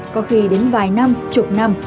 có khi đến vài năm chục năm